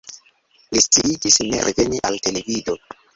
Li sciigis ne reveni al televido.